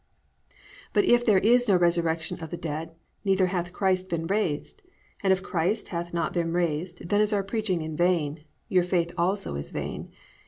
+But if there is no resurrection of the dead neither hath Christ been raised: and if Christ hath not been raised, then is our preaching vain, your faith also is vain.